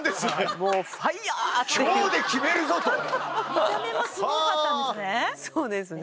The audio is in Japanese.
見た目もすごかったんですね。